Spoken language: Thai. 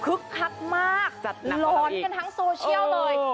คักมากหลอนกันทั้งโซเชียลเลย